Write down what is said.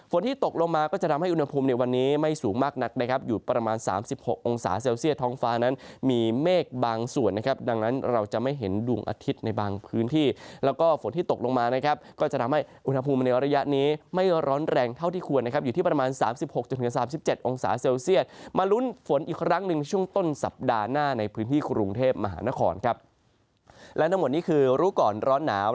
ฝนที่ตกลงมาก็จะทำให้อุณหภูมิในวันนี้ไม่สูงมากนักนะครับอยู่ประมาณ๓๖องศาเซลเซียตท้องฟ้านั้นมีเมฆบางส่วนนะครับดังนั้นเราจะไม่เห็นดวงอาทิตย์ในบางพื้นที่แล้วก็ฝนที่ตกลงมานะครับก็จะทำให้อุณหภูมิในระยะนี้ไม่ร้อนแรงเท่าที่ควรนะครับอยู่ที่ประมาณ๓๖๓๗องศาเซลเซียตมาลุ้นฝนอีกครั้